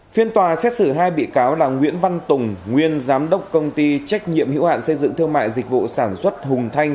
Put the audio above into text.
phiên tòa xét xử hai bị cáo là nguyễn văn tùng nguyên giám đốc công ty trách nhiệm hữu hạn xây dựng thương mại dịch vụ sản xuất hùng thanh